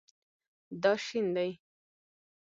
دا شین دی